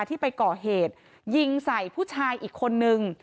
ที่ไปก่อเหตุยิงใส่ผู้ชายอีกคนนึง